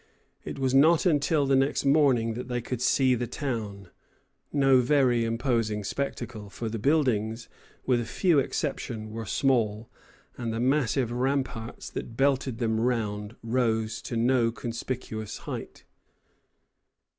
It was not till the next morning that they could see the town, no very imposing spectacle, for the buildings, with a few exceptions, were small, and the massive ramparts that belted them round rose to no conspicuous height.